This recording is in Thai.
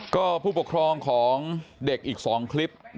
ก็ผู้ปกครองของเด็กอีก๒คลิป